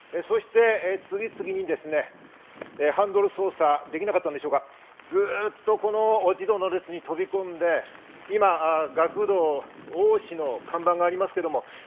次々にハンドル操作できなかったんでしょうか、ずっと児童の列に飛び込んで、今、「学童多し」の看板があります。